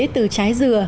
từ trái dừa